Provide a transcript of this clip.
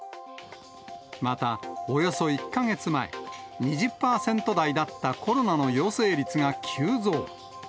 また、およそ１か月前、２０％台だったコロナの陽性率が急増。